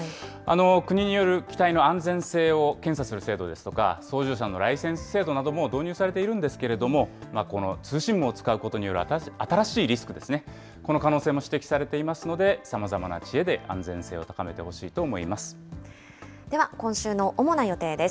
国による機体の安全性を検査する制度ですとか、操縦者のライセンス制度なども導入されているんですけれども、この通信網を使うことによる新しいリスクですね、この可能性も指摘されていますので、さまざまな知恵で安全性を高めてでは、今週の主な予定です。